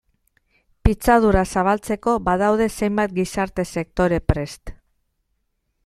Pitzadura zabaltzeko badaude zenbait gizarte sektore prest.